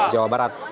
dari jawa barat